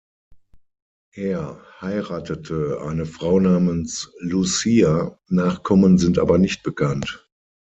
Er heiratete eine Frau namens Lucia, Nachkommen sind aber nicht bekannt.